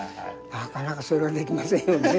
なかなかそれはできませんよね